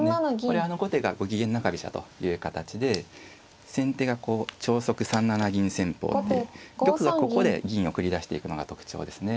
これ後手がゴキゲン中飛車という形で先手がこう超速３七銀戦法で玉がここで銀を繰り出していくのが特徴ですね。